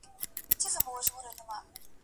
ډبري غورځوې تر شا لاسونه هم نیسې.